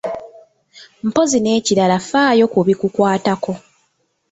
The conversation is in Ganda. Mpozzi n’ekirala faayo ku bikukwatako.